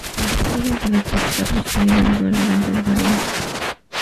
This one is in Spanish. Las historias dadas por su patrocinio de los navegantes varían.